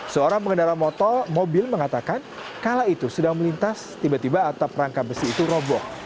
seorang pengendara motor mobil mengatakan kala itu sedang melintas tiba tiba atap rangka besi itu roboh